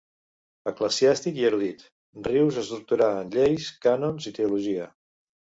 Eclesiàstic i erudit, Rius es doctorà en lleis, cànons i teologia.